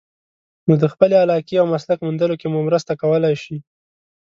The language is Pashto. نو د خپلې علاقې او مسلک موندلو کې مو مرسته کولای شي.